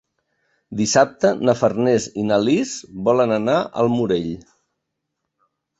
Dissabte na Farners i na Lis volen anar al Morell.